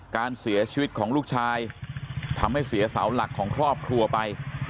การเสียชีวิตของลูกชายทำให้เสียเสาหลักของครอบครัวไป